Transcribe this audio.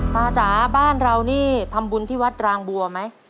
จ๋าบ้านเรานี่ทำบุญที่วัดรางบัวไหม